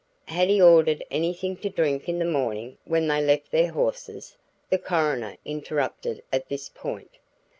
"Had he ordered anything to drink in the morning when they left their horses?" the coroner interrupted at this point.